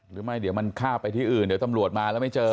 หรือไม่เดี๋ยวมันฆ่าไปที่อื่นเดี๋ยวตำรวจมาแล้วไม่เจอ